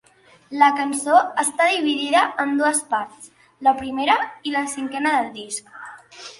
La cançó està dividida en dues parts, la primera i la cinquena del disc.